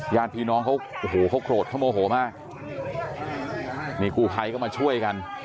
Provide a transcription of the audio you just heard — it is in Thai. ญาติพี่น้องเขาโคตรเขาโมโหมากมีคู่ไพก็มาช่วยกัน